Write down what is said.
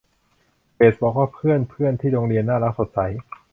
เบสบอกว่าเพื่อนเพื่อนที่โรงเรียนน่ารัก สดใส